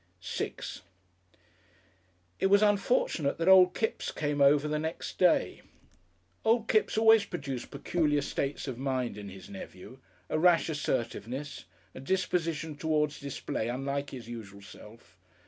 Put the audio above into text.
§6 It was unfortunate that old Kipps came over the next day. Old Kipps always produced peculiar states of mind in his nephew, a rash assertiveness, a disposition towards display unlike his usual self.